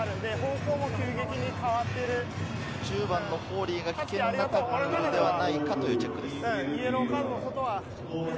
１０番のフォーリーが危険だと思われるのではないかという、チェックです。